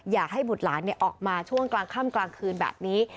อยากให้บุตรหลานออกมาช่วงกลางค่ำกลางคืนแบบนี้